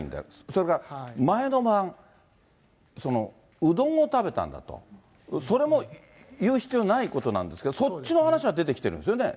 それから前の晩、うどんを食べたんだと、それも言う必要ないことなんですけど、そっちの話は出てきてるんですよね。